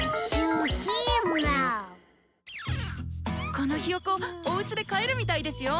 このひよこおうちで飼えるみたいですよ。